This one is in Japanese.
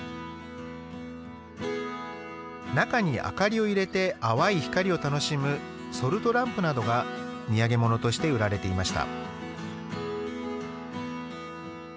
中に明かりを入れて淡い光を楽しむソルトランプなどが土産物として売られていました。